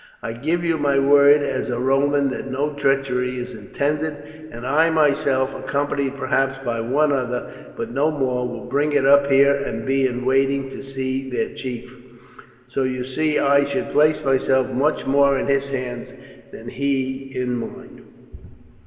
I give you my word as a Roman that no treachery is intended, and I myself, accompanied perhaps by one officer, but no more, will bring it up here and be in waiting to see their chief; so you see I should place myself much more in his hands than he in mine."